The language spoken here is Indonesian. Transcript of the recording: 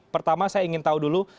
pertama saya ingin tahu dulu